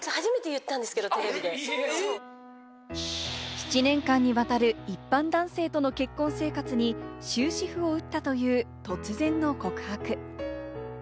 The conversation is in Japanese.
７年間にわたる一般男性との結婚生活に終止符を打ったという突然の告白。